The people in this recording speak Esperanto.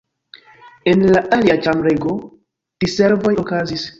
En la alia ĉambrego diservoj okazis.